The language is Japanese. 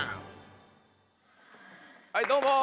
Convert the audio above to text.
はいどうも！